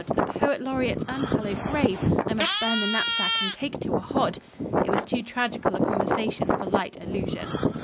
The Poet Laureate's unhallowed grave! I must burn the knapsack and take to a hod!" It was too tragical a conversation for light allusion.